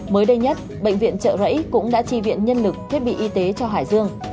mới đây nhất bệnh viện trợ rẫy cũng đã tri viện nhân lực thiết bị y tế cho hải dương